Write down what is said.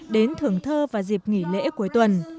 đến thưởng thơ và dịp nghỉ lễ cuối tuần